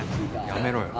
やめろよ。